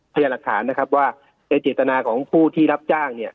พยายามหลักฐานนะครับว่าไอ้เจตนาของผู้ที่รับจ้างเนี่ย